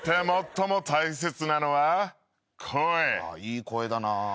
いい声だなぁ。